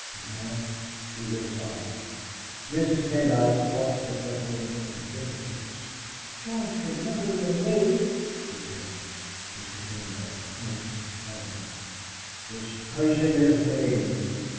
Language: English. Again he was silent. Mrs. Pendyce flushed at that word, and bit her lips. "George could never be a knave!" she said. Mr. Pendyce answered heavily: "Disgracing his name!"